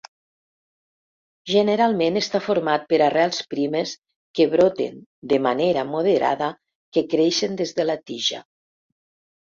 Generalment està format per arrels primes que broten de manera moderada que creixen des de la tija.